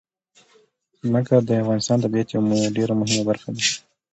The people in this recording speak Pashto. ځمکه د افغانستان د طبیعت یوه ډېره مهمه برخه ده.